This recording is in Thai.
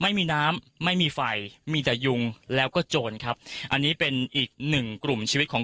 ไม่มีน้ำไม่มีไฟมีแต่ยุงแล้วก็โจรครับอันนี้เป็นอีกหนึ่งกลุ่มชีวิตของ